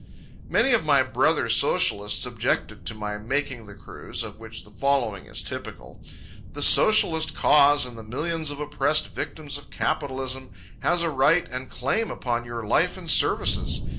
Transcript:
Many of my brother socialists objected to my making the cruise, of which the following is typical: "The Socialist Cause and the millions of oppressed victims of Capitalism has a right and claim upon your life and services.